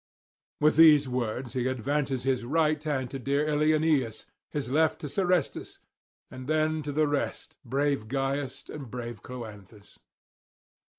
With these words he advances his right hand to dear Ilioneus, his left to Serestus; then to the rest, brave Gyas and brave Cloanthus.